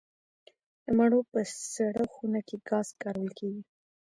د مڼو په سړه خونه کې ګاز کارول کیږي؟